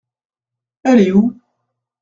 Elle est où ?